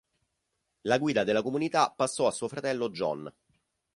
La guida della comunità passò a suo fratello John.